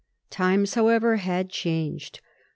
Times, however, had changed.